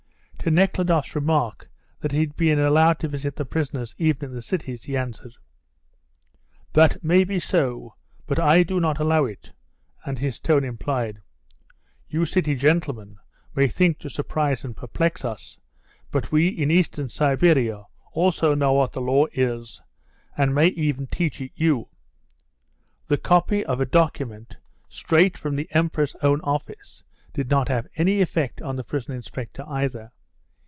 To Nekhludoff's remark that he had been allowed to visit the prisoners even in the cities he answered: "That may be so, but I do not allow it," and his tone implied, "You city gentlemen may think to surprise and perplex us, but we in Eastern Siberia also know what the law is, and may even teach it you." The copy of a document straight from the Emperor's own office did not have any effect on the prison inspector either.